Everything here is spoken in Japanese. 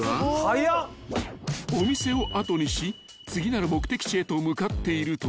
［お店を後にし次なる目的地へと向かっていると］